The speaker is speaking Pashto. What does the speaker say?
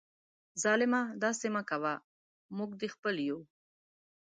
ظالمه داسي مه کوه ، موږ دي خپل یو